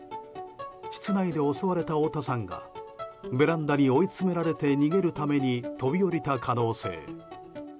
室内で襲われた大田さんがベランダで追い詰められて逃げるために飛び降りた可能性。